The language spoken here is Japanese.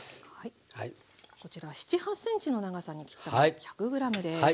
こちら７８ｃｍの長さに切ったもの１００ｇです。